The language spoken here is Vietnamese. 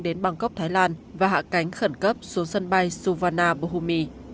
đến bangkok thái lan và hạ cánh khẩn cấp xuống sân bay suvarnabhumi